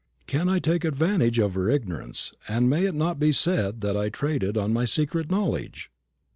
Can I take advantage of her ignorance, and may it not be said that I traded on my secret knowledge?